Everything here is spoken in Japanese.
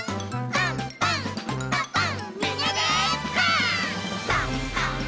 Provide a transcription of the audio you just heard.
「パンパン」